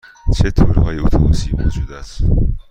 چه تورهای اتوبوسی موجود است؟